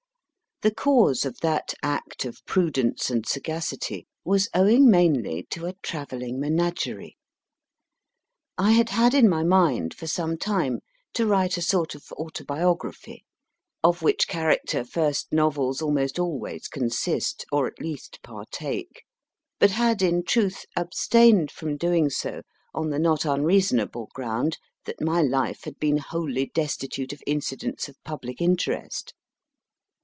The cause of that act of prudence and sagacity was owing mainly to a travelling menagerie. I had had in my mind, for some time, to write a sort of autobiography (of which character first novels almost always consist, or at least partake), but had in truth abstained from doing so on the not unreasonable ground that my life had been wholly destitute of incidents of public interest.